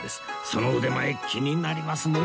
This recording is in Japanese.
その腕前気になりますね